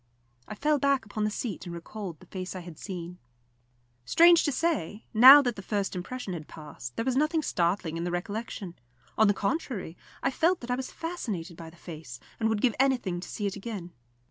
I fell back upon the seat and recalled the face I had seen. Strange to say, now that the first impression had passed, there was nothing startling in the recollection; on the contrary, I felt that I was fascinated by the face, and would give anything to see it again.